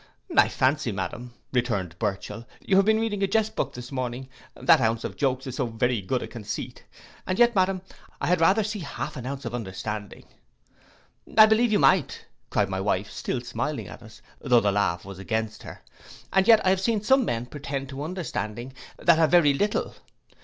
'—'I fancy, madam,' returned Burchell, 'you have been reading a jest book this morning, that ounce of jokes is so very good a conceit; and yet, madam, I had rather see half an ounce of understanding.'—'I believe you might,' cried my wife, still smiling at us, though the laugh was against her; 'and yet I have seen some men pretend to understanding that have very little.